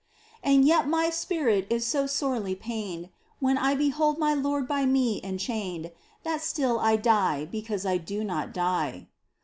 And yet my spirit is so sorely pained When I behold my Lord by me enchained. That still I die because I do not die.